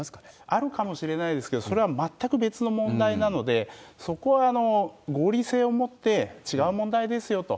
あるかもしれないですけれども、それは全く別の問題なので、そこは合理性を持って、違う問題ですよと。